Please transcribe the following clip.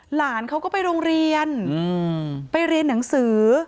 หลานเขาก็ไปโรงเรียนไปเรียนหนังสือ